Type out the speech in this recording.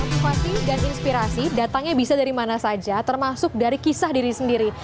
inovasi dan inspirasi datangnya bisa dari mana saja termasuk dari kisah diri sendiri